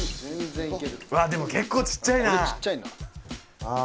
うわでも結構小っちゃいな。